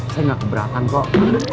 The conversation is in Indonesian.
saya gak keberatan kok